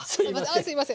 あすいません。